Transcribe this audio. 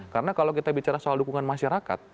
karena kalau kita bicara soal dukungan masyarakat